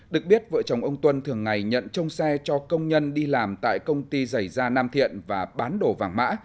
được biết vợ chồng ông tuân thường ngày nhận trông xe cho công nhân đi làm tại công ty giày da nam thiện và bán đồ vàng mã